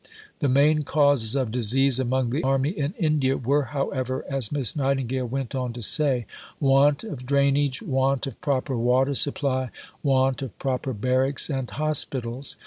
The main causes of disease among the Army in India were, however, as Miss Nightingale went on to say, want of drainage, want of proper water supply, want of proper barracks and hospitals.